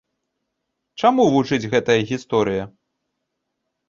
Чаму вучыць гэтая гісторыя?